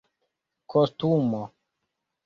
kostumo